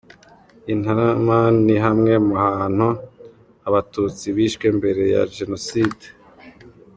I Ntarama ni hamwe mu hantu Abatutsi bishwe mbere ya Jenoside.